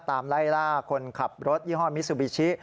ไล่ล่าคนขับรถยี่ห้อมิซูบิชิ